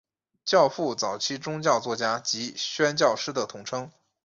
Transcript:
教父早期宗教作家及宣教师的统称。